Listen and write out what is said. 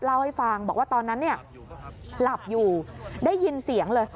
เล่าให้ฟังบอกว่าตอนนั้นเนี่ยหลับอยู่ได้ยินเสียงเลย